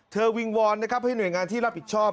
วิงวอนนะครับให้หน่วยงานที่รับผิดชอบ